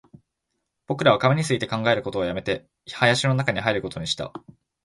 僕らは紙について考えることを止めて、林の中に入ることにした